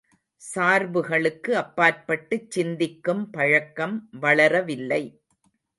சார்புகளுக்கு அப்பாற்பட்டுச் சிந்திக்கும் பழக்கம் வளரவில்லை.